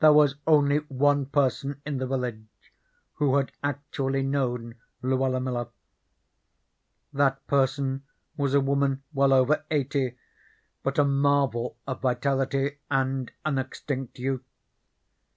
There was only one person in the village who had actually known Luella Miller. That person was a woman well over eighty, but a marvel of vitality and unextinct youth.